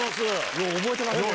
よう覚えてますね。